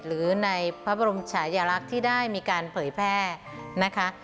หรือในพระบรมชายลักษณ์ที่ได้มีการเผยแพร่นะคะ